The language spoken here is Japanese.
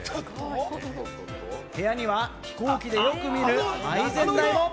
部屋には飛行機でよく見る配膳台も。